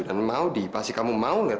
dan maudie pasti kamu mau lihat